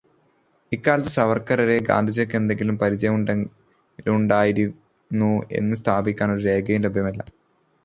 ഇക്കാലത്ത് സവർക്കറെ ഗാന്ധിജിയ്ക്ക് എന്തെങ്കിലും പരിചയമെങ്കിലുമുണ്ടായിരുന്നു എന്നു സ്ഥാപിക്കാൻ ഒരു രേഖയും ലഭ്യമല്ല.